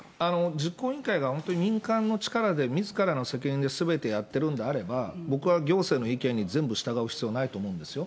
実行委員会が本当に民間の力で、みずからの責任ですべてやってるんであれば、僕は行政の意見に全部従う必要ないと思うんですよ。